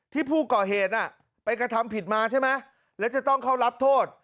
ที่ผู้ก่อเหตุไปกระทำผิดมาใช่ไหมแล้วจะต้องเข้ารับโทษ